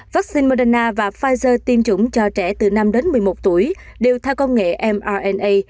vaccine moderna và pfizer tiêm chủng cho trẻ từ năm đến một mươi một tuổi đều theo công nghệ mrna